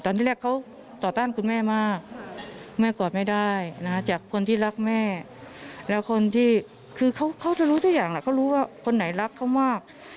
ที่แรกเขาต่อต้านคุณแม่มากแม่กอดไม่ได้จากคนที่รักแม่แล้วคนที่คือเขาจะรู้ทุกอย่างแหละเขารู้ว่าคนไหนรักเขามาก